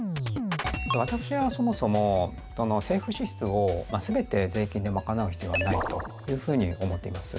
私はそもそも政府支出をすべて税金で賄う必要はないというふうに思っています。